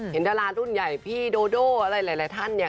ดารารุ่นใหญ่พี่โดโดอะไรหลายท่านเนี่ย